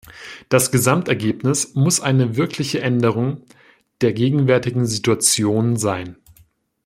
Das Gesamtergebnis muss eine wirkliche Änderung der gegenwärtigen Situation sein.